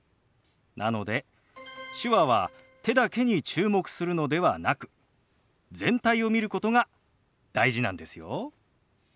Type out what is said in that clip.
なので手話は手だけに注目するのではなく全体を見ることが大事なんですよ。